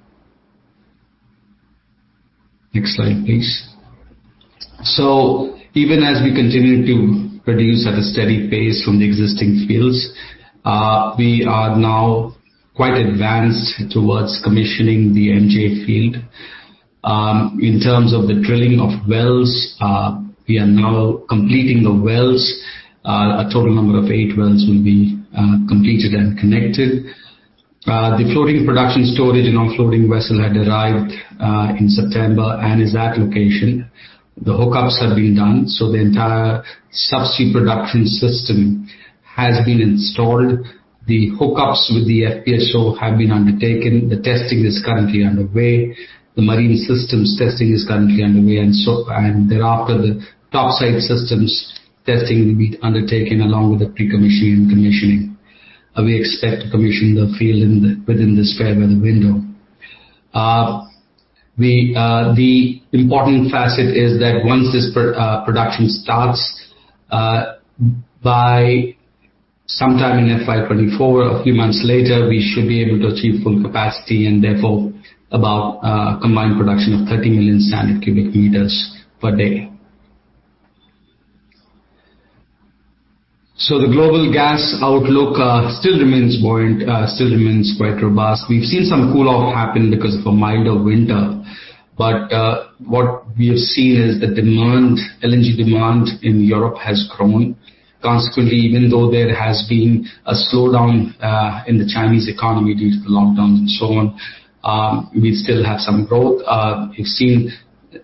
Next slide, please. Even as we continue to produce at a steady pace from the existing fields, we are now quite advanced towards commissioning the MJ field. In terms of the drilling of wells, we are now completing the wells. A total number of 8 wells will be completed and connected. The floating production storage and offloading vessel had arrived in September and is at location. The hookups have been done, so the entire subsea production system has been installed. The hookups with the FPSO have been undertaken. The testing is currently underway. The marine systems testing is currently underway. Thereafter, the topside systems testing will be undertaken along with the pre-commissioning and commissioning. We expect to commission the field within this fair weather window. We, the important facet is that once this production starts, by sometime in FY 2024 or a few months later, we should be able to achieve full capacity and therefore about combined production of 30 million standard cubic meters per day. The global gas outlook still remains quite robust. We've seen some cool off happen because of a milder winter. What we have seen is the demand, LNG demand in Europe has grown. Consequently, even though there has been a slowdown in the Chinese economy due to the lockdowns and so on, we still have some growth. We've seen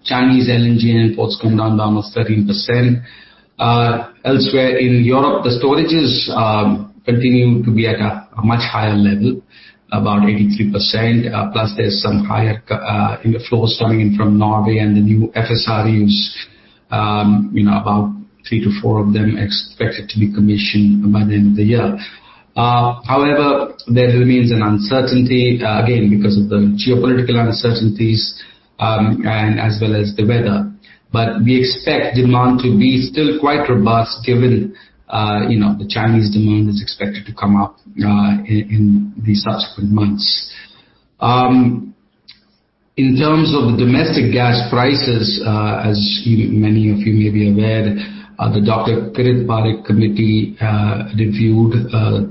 Chinese LNG imports come down by almost 13%. Elsewhere in Europe, the storages continue to be at a much higher level, about 83%. Plus there's some higher inflows coming in from Norway and the new FSRUs, you know, about 3 to 4 of them expected to be commissioned by the end of the year. However, there remains an uncertainty, again, because of the geopolitical uncertainties, and as well as the weather. We expect demand to be still quite robust given, you know, the Chinese demand is expected to come up in the subsequent months. In terms of domestic gas prices, as you, many of you may be aware, the Dr. Kirit Parikh committee reviewed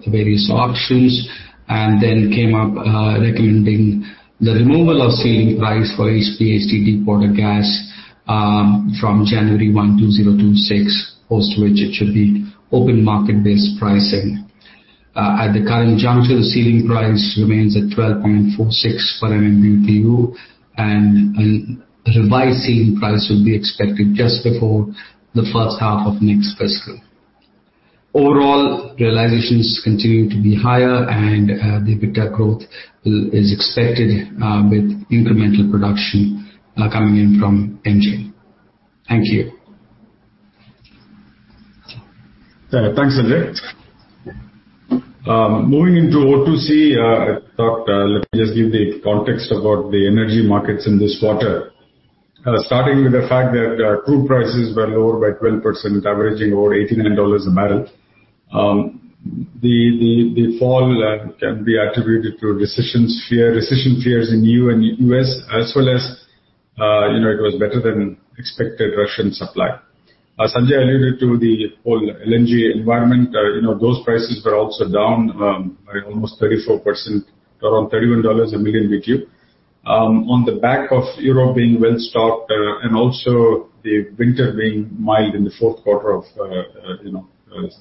various options and then came up recommending the removal of ceiling price for HPHT imported gas from January 1, 2026, post which it should be open market-based pricing. At the current juncture, the ceiling price remains at $12.46 per MMBtu, and a revised ceiling price would be expected just before the first half of next fiscal. Overall, realizations continue to be higher and the EBITDA growth is expected with incremental production coming in from MJ. Thank you. Thanks, Sanjay. Moving into O2C, I thought, let me just give the context about the energy markets in this quarter. Starting with the fact that crude prices were lower by 12%, averaging over $89 a barrel. The fall can be attributed to recession fears in EU and US as well as, you know, it was better than expected Russian supply. As Sanjay alluded to the whole LNG environment, you know, those prices were also down by almost 34%, around $31 a million BTU. On the back of Europe being well stocked, and also the winter being mild in the fourth quarter of, you know,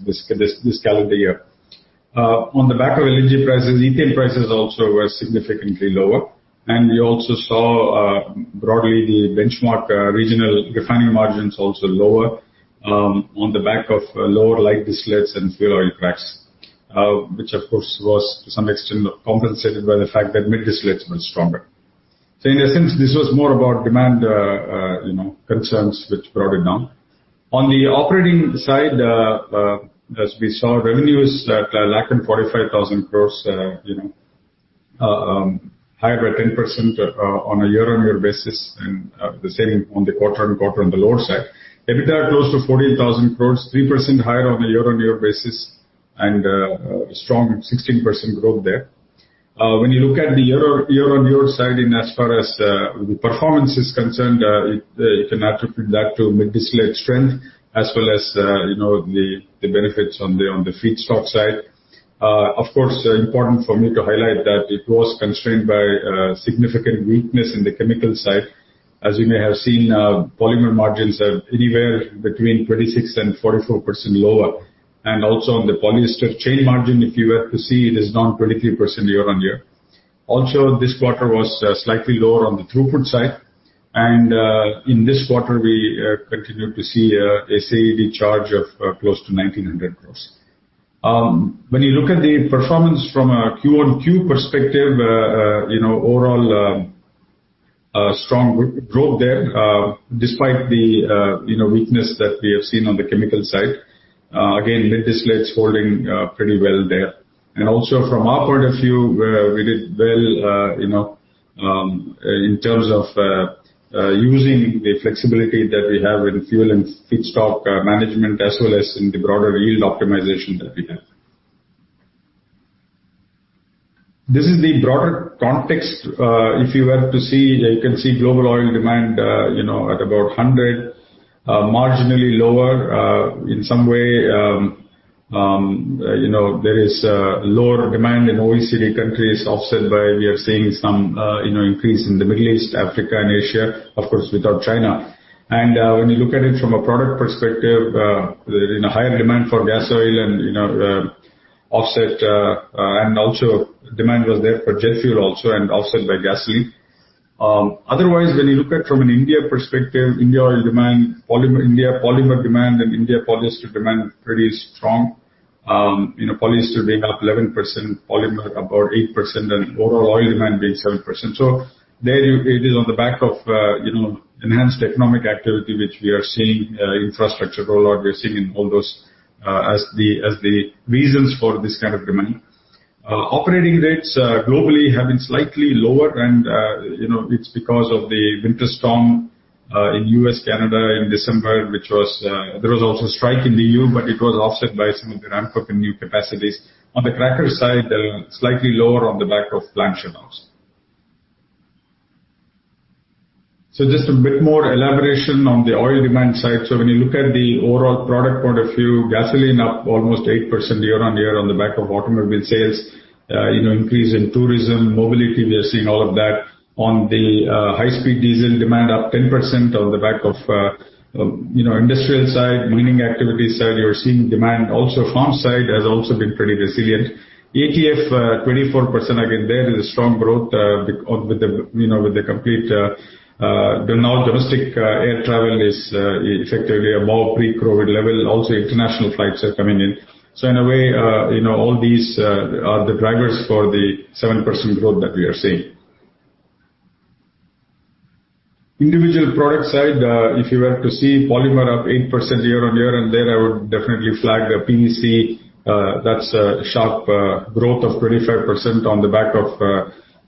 this calendar year. On the back of LNG prices, ethane prices also were significantly lower, and we also saw broadly the benchmark regional refining margins also lower, on the back of lower light distillates and fuel oil cracks, which of course was to some extent compensated by the fact that mid distillates were stronger. In essence, this was more about demand, you know, concerns which brought it down. On the operating side, as we saw revenues at 145,000 crore, you know, higher by 10% on a year-on-year basis, and the same on the quarter-on-quarter on the lower side. EBITDA close to 14,000 crore, 3% higher on a year-on-year basis and a strong 16% growth there. When you look at the year-on-year side and as far as the performance is concerned, it, you can attribute that to mid-distillate strength as well as, you know, the benefits on the feedstock side. Of course, important for me to highlight that it was constrained by significant weakness in the chemical side. As you may have seen, polymer margins are anywhere between 26% and 44% lower. Also on the polyester chain margin, if you were to see it is down 23% year-on-year. Also, this quarter was slightly lower on the throughput side. In this quarter we continued to see a SAED charge of close to 1,900 crore. When you look at the performance from a Q-on-Q perspective, you know overall, a strong growth there, despite the, you know, weakness that we have seen on the chemical side. Again, mid distillates holding pretty well there. Also from upward a few, we did well, you know, in terms of using the flexibility that we have in fuel and feedstock management as well as in the broader yield optimization that we have. This is the broader context. If you were to see, you can see global oil demand, you know, at about 100, marginally lower, in some way, you know, there is lower demand in OECD countries offset by we are seeing some, you know, increase in the Middle East, Africa and Asia, of course, without China. When you look at it from a product perspective, you know, higher demand for gas oil and, you know, offset, and also demand was there for jet fuel also and offset by gasoline. Otherwise, when you look at from an India perspective, India oil demand, polymer India polymer demand and India polyester demand pretty strong. You know, polyester being up 11%, polymer about 8% and overall oil demand being 7%. There you. It is on the back of, you know, enhanced economic activity, which we are seeing, infrastructure rollout. We are seeing in all those, as the, as the reasons for this kind of demand. Operating rates globally have been slightly lower and, you know, it's because of the winter storm in U.S., Canada in December, which was. There was also strike in the EU, but it was offset by some of the ramp up in new capacities. On the cracker side, slightly lower on the back of planned shutdowns. Just a bit more elaboration on the oil demand side. When you look at the overall product point of view, gasoline up almost 8% year-on-year on the back of automobile sales. You know, increase in tourism, mobility, we are seeing all of that. On the high-speed diesel demand up 10% on the back of, you know, industrial side, mining activity side, you're seeing demand. Farm side has also been pretty resilient. ATF 24%. Again, there is a strong growth with the, you know, with the complete now domestic air travel is effectively above pre-COVID level. International flights are coming in. In a way, you know, all these are the drivers for the 7% growth that we are seeing. Individual product side, if you were to see polymer up 8% year-on-year, and there I would definitely flag the PVC. That's a sharp growth of 25% on the back of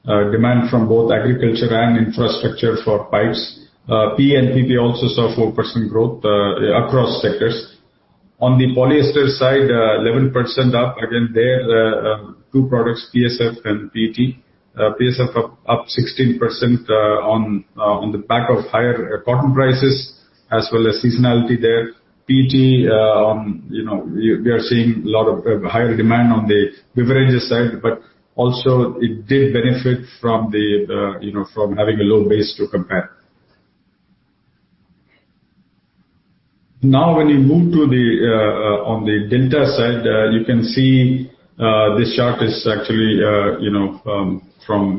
demand from both agriculture and infrastructure for pipes. P and PP also saw 4% growth across sectors. On the polyester side, 11% up. Again, there, two products, PSF and PET. PSF up 16% on the back of higher cotton prices as well as seasonality there. PET, you know, we are seeing a lot of higher demand on the beverages side, but also it did benefit from the, you know, from having a low base to compare. When you move to the on the delta side, you can see this chart is actually, you know,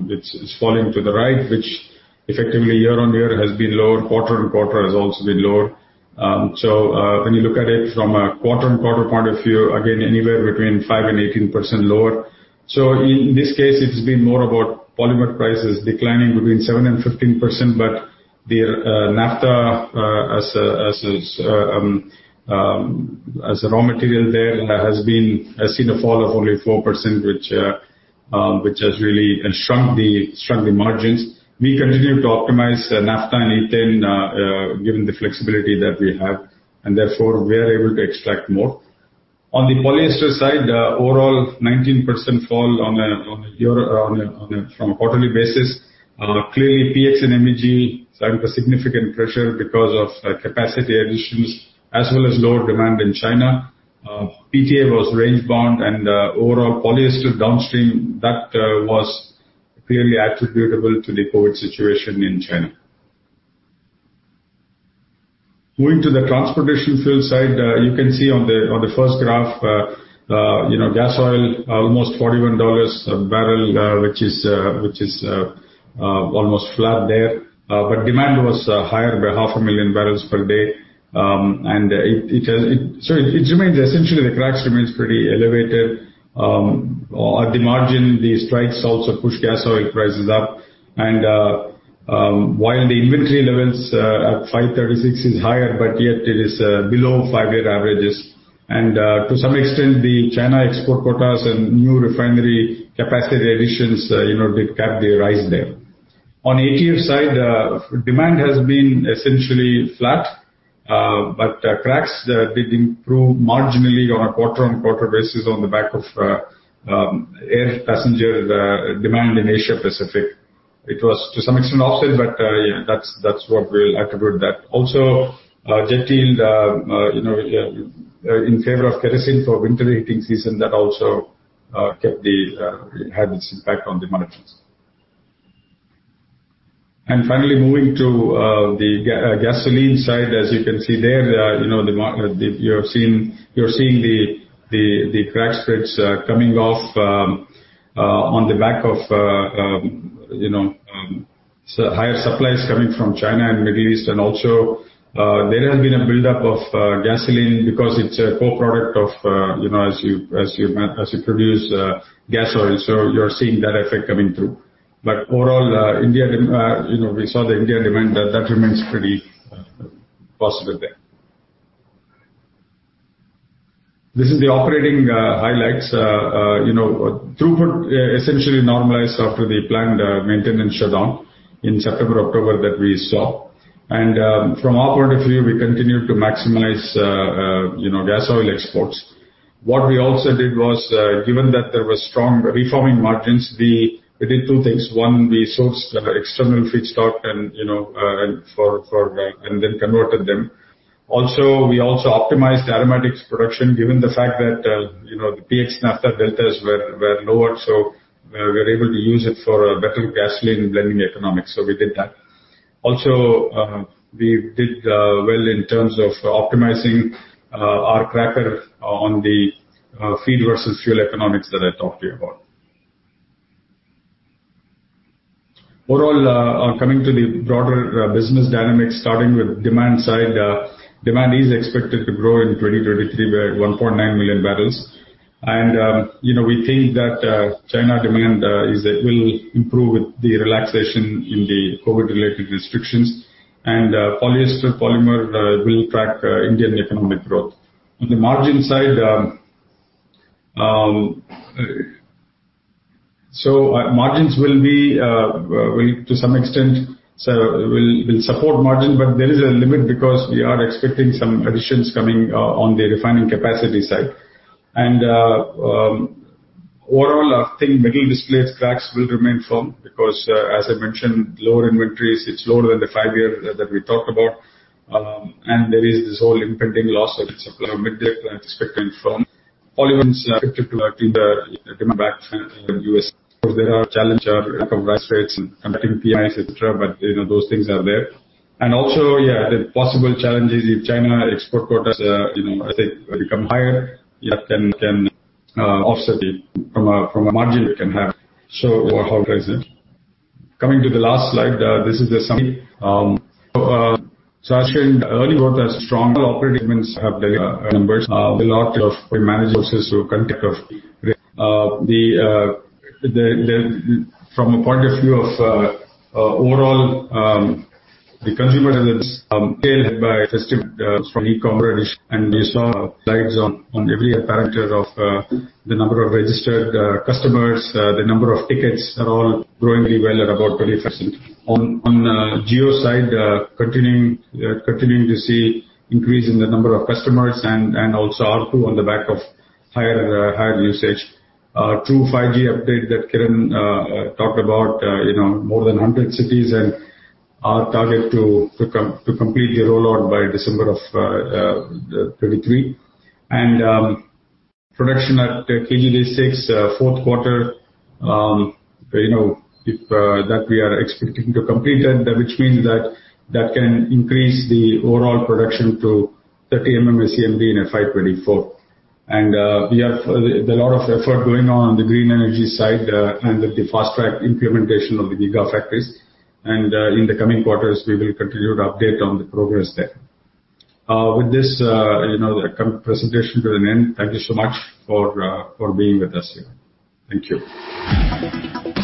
it's falling to the right, which effectively year-on-year has been lower, quarter-on-quarter has also been lower. When you look at it from a quarter-on-quarter point of view, again anywhere between 5 and 18% lower. In this case, it's been more about polymer prices declining between 7% and 15%. The naphtha, as a raw material, has seen a fall of only 4%, which has really shrunk the margins. We continue to optimize naphtha and ethane, given the flexibility that we have, and therefore we are able to extract more. On the polyester side, overall 19% fall on a year, from a quarterly basis. Clearly, PX and MEG is under significant pressure because of capacity additions as well as lower demand in China. PTA was range bound and overall polyester downstream that was clearly attributable to the COVID situation in China. Moving to the transportation fuel side. You can see on the, on the first graph, you know, gas oil almost $41 a barrel, which is, which is almost flat there. Demand was higher by 0.5 million barrels per day. So it remains essentially the cracks remains pretty elevated. At the margin, the strikes also pushed gas oil prices up. While the inventory levels at 536 is higher, but yet it is below five-year averages. To some extent, the China export quotas and new refinery capacity additions, you know, they kept the rise there. On ATF side, demand has been essentially flat, but cracks did improve marginally on a quarter-on-quarter basis on the back of air passenger demand in Asia Pacific. It was to some extent offset, but that's what we'll attribute that. Also, jet yield, you know, in favor of kerosene for winter heating season that also kept the, had its impact on the margins. Finally moving to the gasoline side. As you can see there, you know, you're seeing the crack spreads coming off on the back of, you know, higher supplies coming from China and Middle East. Also, there has been a buildup of gasoline because it's a co-product of, you know, as you produce gas oil. You're seeing that effect coming through. Overall, India demand, you know, we saw the India demand that remains pretty positive there. This is the operating highlights. you know, throughput essentially normalized after the planned maintenance shutdown in September, October that we saw. From our point of view, we continued to maximize, you know, gas oil exports. What we also did was, given that there was strong reforming margins, we did two things. One, we sourced external feedstock and, you know, and for, and then converted them. We also optimized aromatics production, given the fact that, you know, the PX naphtha deltas were lower, so we're able to use it for better gasoline blending economics. We did that. We did well in terms of optimizing our cracker on the feed versus fuel economics that I talked to you about. Overall, coming to the broader business dynamics, starting with demand side. Demand is expected to grow in 2023 by 1.9 million barrels. You know, we think that China demand will improve with the relaxation in the COVID-related restrictions. Polyester polymer will track Indian economic growth. On the margin side, so margins will be, will to some extent, so will support margin, but there is a limit because we are expecting some additions coming on the refining capacity side. Overall, I think middle distillates cracks will remain firm because, as I mentioned, lower inventories, it's lower than the 5-year that we talked about. There is this whole impending loss of supply from Middle East that's expected firm. Polymers, in particular, I think the demand back in U.S. Of course, there are challenger recovery rates and competing PIs, et cetera, but, you know, those things are there. The possible challenges in China export quotas, you know, I think become higher, can offset the from a margin it can have. Overall price then. Coming to the last slide. This is the summary. As shared early growth has strong operating have delivered numbers. A lot of we managed sources through contact of the... From a point of view of overall, the consumer demand is tail headed by festive from e-commerce addition, and we saw slides on every parameter of the number of registered customers, the number of tickets are all growing really well at about 20%. On Jio side, continuing to see increase in the number of customers and also ARPU on the back of higher usage. True 5G update that Kiran talked about, you know, more than 100 cities and our target to completely roll out by December of 2023. Production at KG-D6, fourth quarter, that we are expecting to complete and which means that that can increase the overall production to 30 MMSCMD in FY 2024. We have a lot of effort going on on the green energy side and with the fast-track implementation of the gigafactories. In the coming quarters, we will continue to update on the progress there. With this, the presentation comes to an end. Thank you so much for being with us here. Thank you.